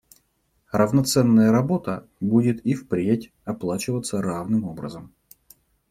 Равноценная работа будет и впредь оплачиваться равным образом.